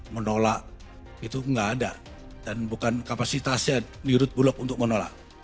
menolak itu nggak ada dan bukan kapasitasnya menurut bulog untuk menolak